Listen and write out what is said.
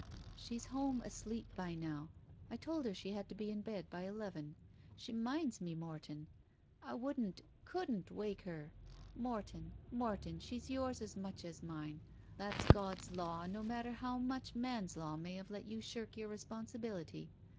"'She's home asleep by now. I told her she had to be in bed by eleven. She minds me, Morton. I wouldn't — couldn't — ^wake her. Morton, Morton, she's yours as much as mine. That's God's law, no matter how much man's law may have let you shirk your responsibility.